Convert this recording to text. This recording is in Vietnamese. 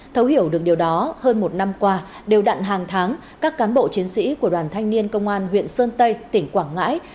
thấu hiểu được điều đó hơn một năm qua đều đặn hàng tháng các cán bộ chiến sĩ của đoàn thanh niên công an huyện sơn tây tỉnh quảng ngãi